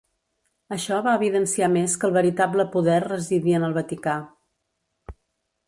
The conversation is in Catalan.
Això va evidenciar més que el veritable poder residia en el Vaticà.